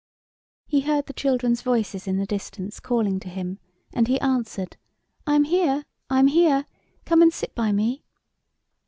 He heard the children's voices in the distance calling to him, and he answered, "I am here, I am here; come and sit by me."